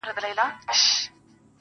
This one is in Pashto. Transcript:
دا يې د ميــــني تـرانـــه ماته كــړه.